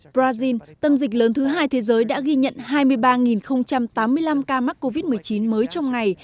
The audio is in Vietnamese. brazil tâm dịch lớn thứ hai thế giới đã ghi nhận hai mươi ba tám mươi năm ca mắc covid một mươi chín mới trong ngày